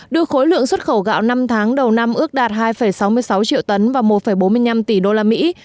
đưa khối lượng xuất khẩu gạo năm tháng đầu năm ước đạt hai sáu mươi sáu triệu tấn và một bốn mươi năm tỷ đô la mỹ